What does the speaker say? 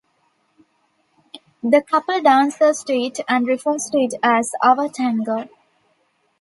The couple dances to it and refers to it as "our tango".